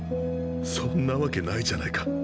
そんなわけないじゃないか。